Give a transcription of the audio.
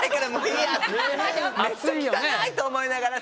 汚いと思いながら。